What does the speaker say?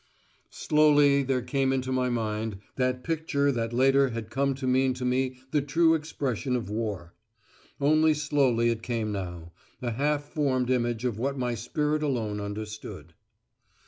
Slowly there came into my mind that picture that later has come to mean to me the true expression of war. Only slowly it came now, a half formed image of what my spirit alone understood.